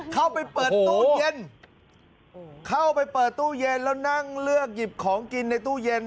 เข้าไปเปิดตู้เย็นเข้าไปเปิดตู้เย็นแล้วนั่งเลือกหยิบของกินในตู้เย็น